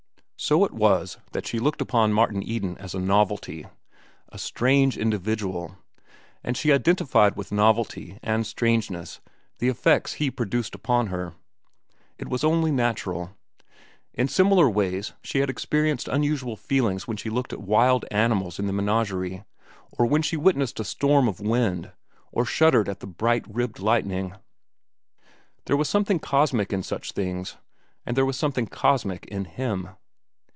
So it was that she looked upon Martin Eden as a novelty, a strange individual, and she identified with novelty and strangeness the effects he produced upon her. It was only natural. In similar ways she had experienced unusual feelings when she looked at wild animals in the menagerie, or when she witnessed a storm of wind, or shuddered at the bright ribbed lightning. There was something cosmic in such things, and there was something cosmic in him.